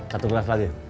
satu beras lagi